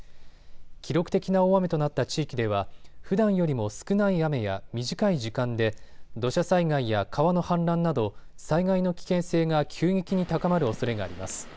記録的な大雨となった地域ではふだんよりも少ない雨や、短い時間で土砂災害や川の氾濫など災害の危険性が急激に高まるおそれがあります。